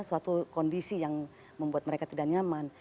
suatu kondisi yang membuat mereka tidak nyaman